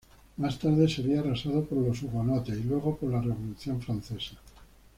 Más tarde sería arrasado por los hugonotes, y luego por la Revolución francesa.